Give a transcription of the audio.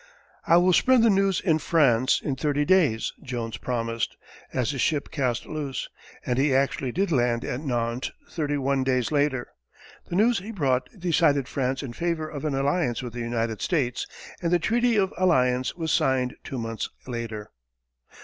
"I will spread the news in France in thirty days," Jones promised, as his ship cast loose, and he actually did land at Nantes thirty one days later. The news he brought decided France in favor of an alliance with the United States, and the Treaty of Alliance was signed two months later.